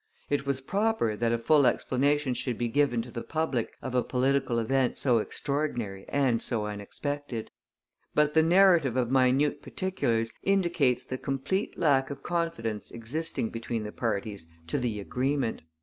It was proper that a full explanation should be given to the public of a political event so extraordinary and so unexpected. But the narrative of minute particulars indicates the complete lack of confidence existing between the parties to the agreement.